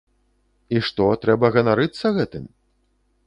І што, трэба ганарыцца гэтым?